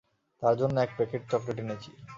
তার জন্যে এক প্যাকেট চকলেট এনেছি।